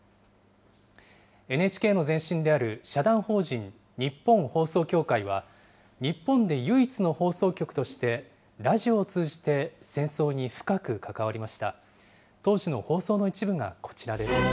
ＮＨＫの前身である社団法人日本放送協会は、日本で唯一の放送局として、ラジオを通じて戦争に深く関わりました。